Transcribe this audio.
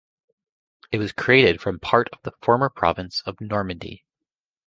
It was created from part of the former province of Normandy.